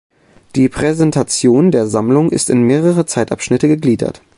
Die Präsentation der Sammlung ist in mehrere Zeitabschnitte gegliedert.